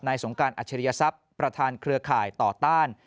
สงการอัจฉริยศัพย์ประธานเครือข่ายต่อต้าน